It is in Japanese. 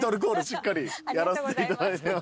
しっかりやらせていただいてます。